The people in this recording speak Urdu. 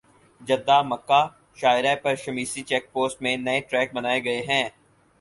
جدہ مکہ شاہراہ پر شمیسی چیک پوسٹ میں نئے ٹریک بنائے گئے ہیں